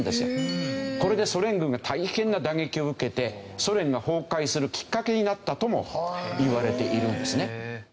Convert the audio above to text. これでソ連軍が大変な打撃を受けてソ連が崩壊するきっかけになったともいわれているんですね。